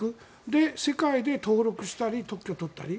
で、世界で登録したり特許を取ったり。